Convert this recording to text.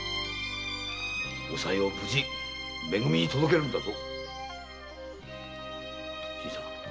おさいを無事「め組」に届けるんだぞ。